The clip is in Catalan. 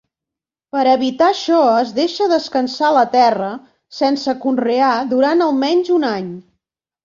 Per a evitar això es deixa descansar la terra, sense conrear, durant almenys un any.